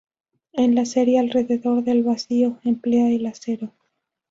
En la serie "Alrededor del vacío", emplea el acero.